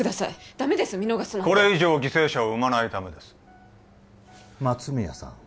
ダメです見逃すなんてこれ以上犠牲者を生まないためです松宮さん